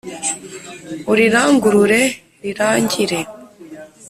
urirangurure rirangire